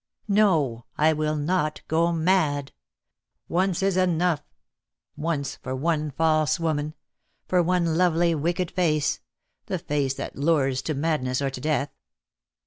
"No, I will not go mad. Once is enough — once, for one false woman — for one lovely wicked face — the face that lures to madness or to death."